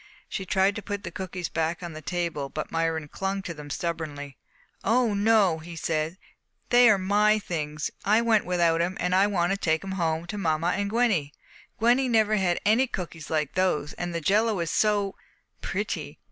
She tried to put the cookies back on the table but Myron clung to them stubbornly. "No, no!" he said. "They are my things! I went without 'em, and I want to take them home to mamma and Gwenny. Gwenny never had any cookies like those. And the jell is so pretty.